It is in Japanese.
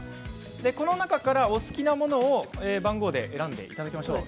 この中から、お好きなもの番号で選んでいただきましょう。